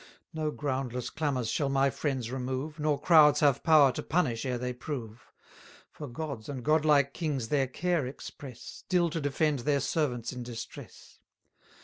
No groundless clamours shall my friends remove, Nor crowds have power to punish ere they prove; For gods and god like kings their care express, Still to defend their servants in distress.